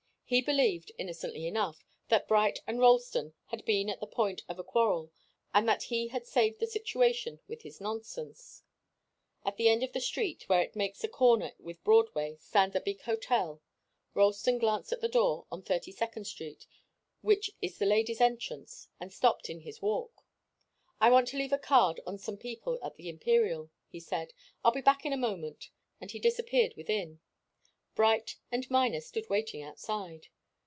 He believed, innocently enough, that Bright and Ralston had been at the point of a quarrel, and that he had saved the situation with his nonsense. At the end of the street, where it makes a corner with Broadway, stands a big hotel. Ralston glanced at the door on Thirty second Street, which is the ladies' entrance, and stopped in his walk. "I want to leave a card on some people at the Imperial," he said. "I'll be back in a moment." And he disappeared within. Bright and Miner stood waiting outside.